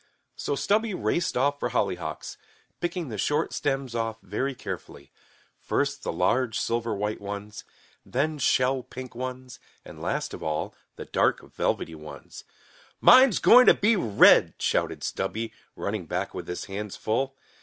So Stubby raced off for hollyhocks, picking the short stems off very carefully; first the large, silver white ones, then shell pink ones and last of all, the dark, velvety, red ones. "Mine's going to be red," shouted Stubby, running back with his hands full.